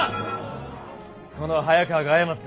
この早川が過った。